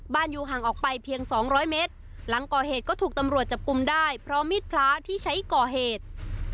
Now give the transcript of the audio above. บ้านอยู่ห่างออกไปเพียงสองร้อยเมตรหลังก่อเหตุก็ถูกตำรวจจับกุมได้เพราะมิตรพระที่ใช้ก่อเหตุ